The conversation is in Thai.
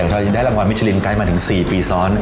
ที่ได้รางวัลมิชลินค์กายมาถึง๔ปีซ้อน